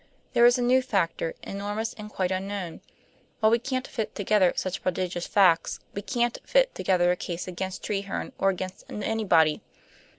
There is a new factor, enormous and quite unknown. While we can't fit together such prodigious facts, we can't fit together a case against Treherne or against anybody.